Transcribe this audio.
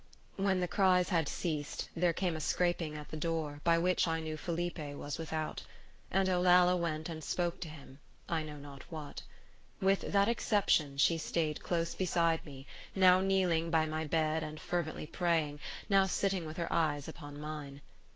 When the cries had ceased, there came a scraping at the door, by which I knew Felipe was without; and Olalla went and spoke to him—I know not what. With that exception, she stayed close beside me, now kneeling by my bed and fervently praying, now sitting with her eyes upon mine.